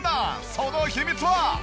その秘密は。